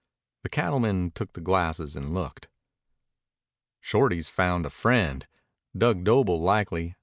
The cattleman took the glasses and looked. "Shorty's found a friend. Dug Doble likely.